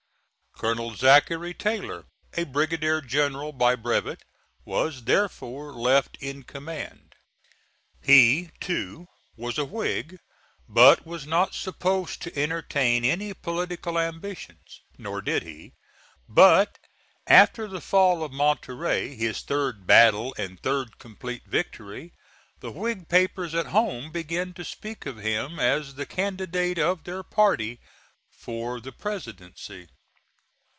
Colonel Zachary Taylor a brigadier general by brevet was therefore left in command. He, too, was a Whig, but was not supposed to entertain any political ambitions; nor did he; but after the fall of Monterey, his third battle and third complete victory, the Whig papers at home began to speak of him as the candidate of their party for the Presidency.